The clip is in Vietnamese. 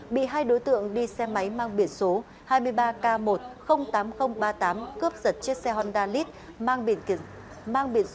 bị hai đối tượng đi xe máy mang biển số hai mươi ba k một trăm linh tám nghìn ba mươi tám cướp giật chiếc xe honda lit mang biển số hai mươi chín i một mươi hai nghìn hai trăm hai mươi hai